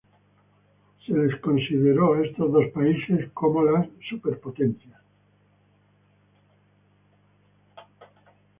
Estos dos países fueron considerados como las superpotencias.